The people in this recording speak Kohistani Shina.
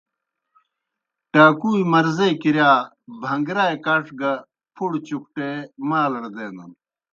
ٹاکُوئے مرضے کِرِیا بھن٘گرائے کَڇ گہ پُھڑہ چُکٹے مالڑ دینَن۔